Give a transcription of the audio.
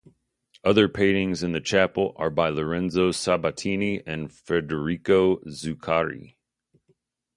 Other paintings in the chapel are by Lorenzo Sabbatini and Federico Zuccari.